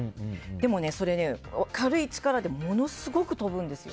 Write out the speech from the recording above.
でも、それは軽い力でものすごく飛ぶんです。